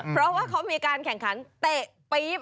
เพราะว่าเขามีการแข่งขันเตะปี๊บ